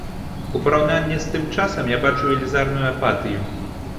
У параўнанні з тым часам я бачу велізарную апатыю.